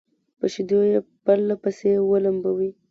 په شيدو يې پرله پسې ولمبوي